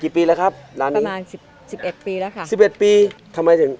ปีแล้วครับร้านนี้ประมาณสิบสิบเอ็ดปีแล้วค่ะสิบเอ็ดปีทำไมถึง